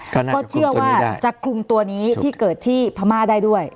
ก็เชื่อว่าจะคลุมตัวนี้ที่เกิดที่พม่าได้ด้วย